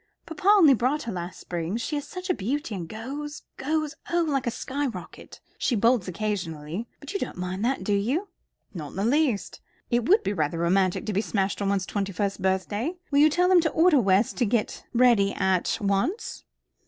Papa only bought her last spring. She is such a beauty, and goes goes oh, like a skyrocket. She bolts occasionally; but you don't mind that, do you?" "Not in the least. It would be rather romantic to be smashed on one's twenty first birthday. Will you tell them to order West to get ready at once."